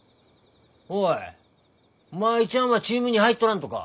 おい舞ちゃんはチームに入っとらんとか？